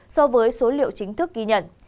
so với số liệu chính thức ghi nhận